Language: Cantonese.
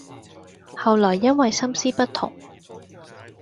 後來因爲心思不同，